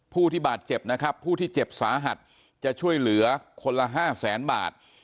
ผู้ที่บาดเจ็บนะครับผู้ที่เจ็บสาหัสจะช่วยเหลือคนละห้าแสนบาท